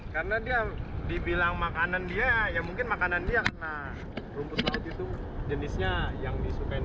karena dia dibilang makanan dia ya mungkin makanan dia karena rumput laut itu jenisnya yang disukain sama ikan terutama ikan baronang